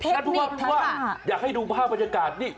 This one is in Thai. นั่นหรือก็คือว่าอยากให้ดูภาพบรรยากาศนี่